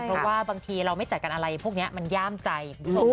เพราะว่าบางทีเราไม่จัดการอะไรพวกเนี้ยมันย่ามใจ